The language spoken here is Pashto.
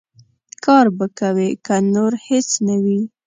کار به کوې، که نور هېڅ نه وي.